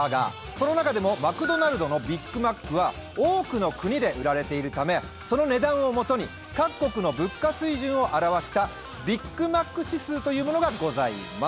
その中でもマクドナルドのビッグマックは多くの国で売られているためその値段を基に各国の物価水準を表したビッグマック指数というものがございます。